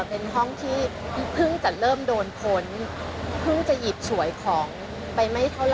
เป็นห้องที่เพิ่งจะเริ่มโดนพ้นเพิ่งจะหยิบฉวยของไปไม่เท่าไห